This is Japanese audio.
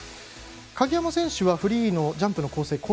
鍵山選手はフリーのジャンプの構成